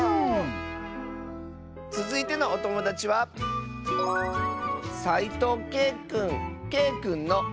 つづいてのおともだちはけいくんの。